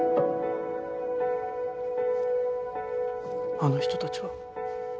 ・あの人たちは？